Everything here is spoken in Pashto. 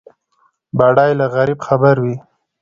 بډای له غریب خبر وي.